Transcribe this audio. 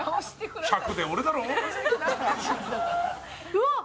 うわっ！